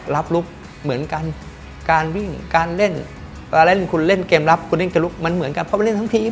ลุคเหมือนกันการวิ่งการเล่นการเล่นคุณเล่นเกมรับคุณเล่นจะลุกมันเหมือนกับเขาไปเล่นทั้งทีม